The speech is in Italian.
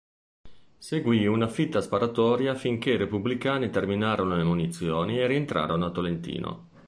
Seguì una fitta sparatoria finché i repubblicani terminarono le munizioni e rientrarono a Tolentino.